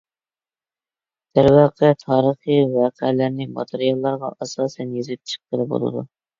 دەرۋەقە، تارىخىي ۋەقەلەرنى ماتېرىياللارغا ئاساسەن يېزىپ چىققىلى بولىدۇ.